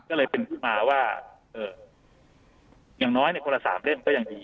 ก็เลยเป็นที่มาว่าอย่างน้อยคนละ๓เล่มก็ยังดี